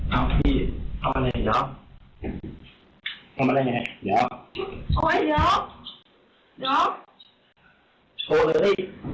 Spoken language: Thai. ให้มันเอาไปดูข้างพี่ผมใดก็พี่แบบ